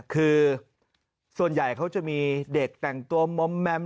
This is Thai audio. คือส่วนใหญ่เขาจะมีเด็กแต่งตัวมอมแมม